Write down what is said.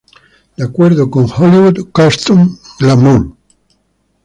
De acuerdo con Hollywood Costume: Glamour!